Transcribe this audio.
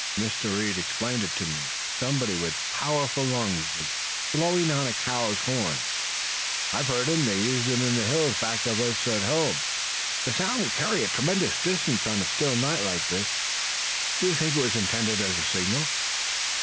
Mr. Reed explained it to me. Somebody with powerful lungs was blowing on a cow's horn." "I've heard 'em. They use 'em in the hills back of us at home. The sound will carry a tremendous distance on a still night like this. Do you think it was intended as a signal?"